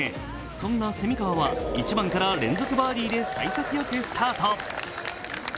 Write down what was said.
そんな蝉川は１番から連続バーディーでさい先よくスタート。